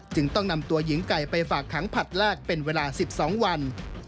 ต้องนำตัวหญิงไก่ไปฝากขังผลัดแรกเป็นเวลา๑๒วัน